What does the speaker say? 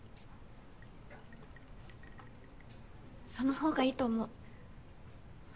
そのほうがいいと思う。